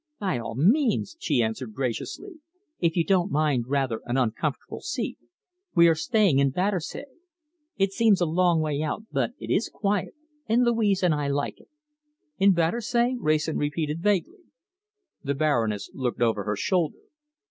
"By all means," she answered graciously, "if you don't mind rather an uncomfortable seat. We are staying in Battersea. It seems a long way out, but it is quiet, and Louise and I like it." "In Battersea?" Wrayson repeated vaguely. The Baroness looked over her shoulder.